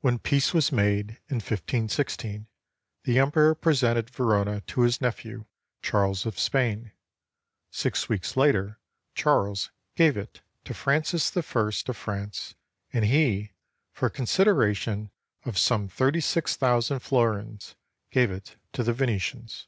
When peace was made, in 15 16, the Emperor presented Verona to his nephew, Charles of Spain. Six weeks later, Charles gave it to Francis I of France, and he for a consider ation of some 36,000 florins, gave it to the Venetians.